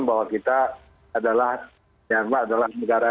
bahwa kita adalah ya pak adalah negara